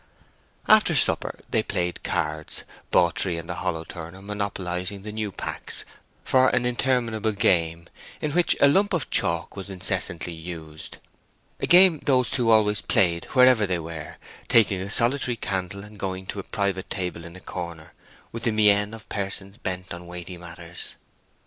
After supper they played cards, Bawtree and the hollow turner monopolizing the new packs for an interminable game, in which a lump of chalk was incessantly used—a game those two always played wherever they were, taking a solitary candle and going to a private table in a corner with the mien of persons bent on weighty matters.